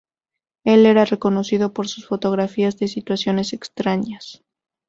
Él era reconocido por sus fotografías de situaciones extrañas.